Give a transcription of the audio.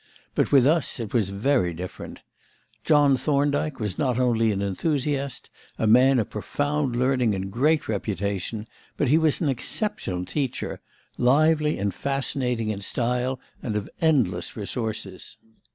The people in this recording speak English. But with us it was very different: John Thorndyke was not only an enthusiast, a man of profound learning and great reputation, but he was an exceptional teacher, lively and fascinating in style and of endless resources.